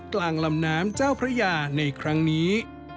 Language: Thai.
กลางลำน้ำเจ้าพระยาในครั้งนี้